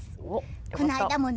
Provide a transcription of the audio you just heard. この間もね